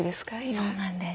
そうなんです。